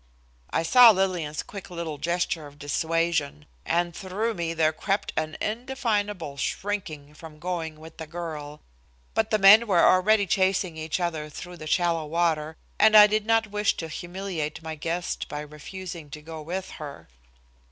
I saw Lillian's quick little gesture of dissuasion, and through me there crept an indefinable shrinking from going with the girl, but the men were already chasing each other through the shallow water, and I did not wish to humiliate my guest by refusing to go with her.